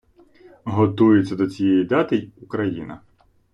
Готується до цієї дати й Україна.